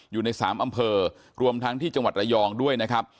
อยู่ใน๓อำเภอรวมทั้งที่จังหวัดระยองด้วยนะครับ